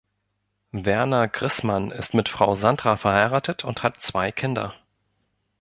Werner Grissmann ist mit Frau Sandra verheiratet und hat zwei Kinder.